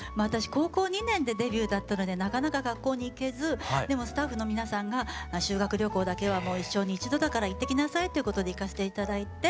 高校２年でデビューだったのでなかなか学校に行けずでもスタッフの皆さんが「修学旅行だけはもう一生に一度だから行ってきなさい」ということで行かせて頂いて。